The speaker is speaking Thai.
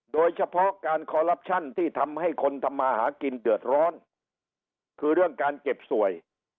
โดยเฉพาะการคอลลับชั่นที่ทำให้คนทำมาหากินเดือดร้อนคือเรื่องการเก็บสวย